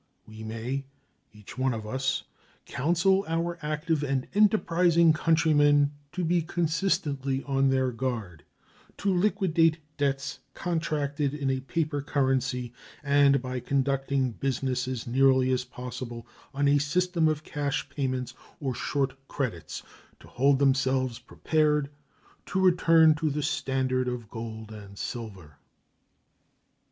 We may each one of us counsel our active and enterprising countrymen to be constantly on their guard, to liquidate debts contracted in a paper currency, and by conducting business as nearly as possible on a system of cash payments or short credits to hold themselves prepared to return to the standard of gold and silver.